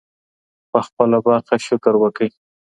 په خپله برخه شکر وکړئ.